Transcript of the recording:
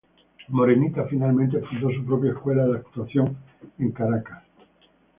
Morenita finalmente fundó su propia escuela de actuación en Caracas.